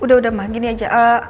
udah udah mah gini aja